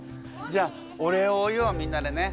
じゃあお礼を言おうみんなでね。